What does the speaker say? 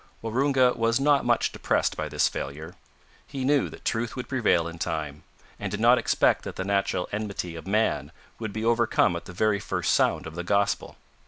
Waroonga was not much depressed by this failure. He knew that truth would prevail in time, and did not expect that the natural enmity of man would be overcome at the very first sound of the Gospel.